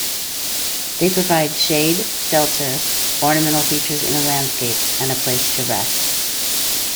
They provide shade, shelter, ornamental features in a landscape, and a place to rest.